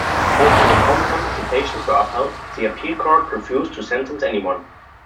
Although the contempt citations were upheld, the appeal court refused to sentence anyone.